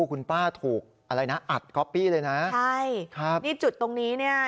คุณป้าถูกอะไรนะอัดก๊อปปี้เลยนะใช่ครับนี่จุดตรงนี้เนี่ย